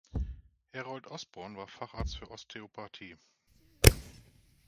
Harold Osborn war Facharzt für Osteopathie.